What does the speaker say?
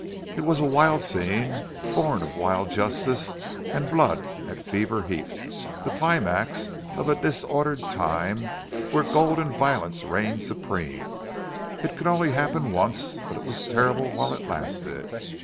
It was a wild scene, born of wild justice and blood at fever heat, the climax of a disordered time where gold and violence reigned supreme. It could only happen once, but it was terrible while it lasted.